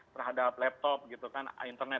terhadap laptop gitu kan internet